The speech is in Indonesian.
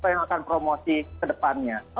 apa yang akan promosi ke depannya